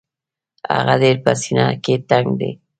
هغه ډېر په سینه کې تنګ دی.